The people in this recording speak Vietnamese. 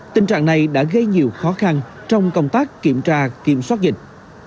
tình trạng này đã gây nhiều khó khăn trong công tác kiểm tra kiểm soát dịch